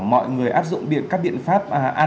mọi người áp dụng các biện pháp